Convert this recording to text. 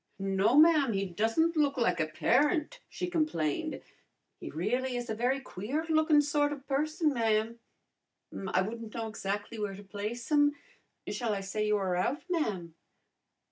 "No, ma'am, he doesn't look like a parent," she complained. "He really is a very queer lookin' sort of person, ma'am. I wouldn't know exactly where to place him. Shall I say you are out, ma'am?"